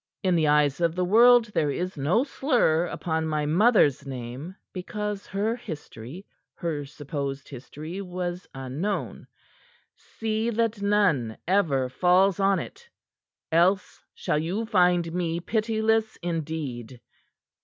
"In the eyes of the world there is no slur upon my mother's name, because her history her supposed history was unknown. See that none ever falls on it, else shall you find me pitiless indeed.